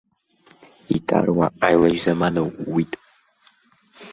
Итаруа аилаџь замана ууит.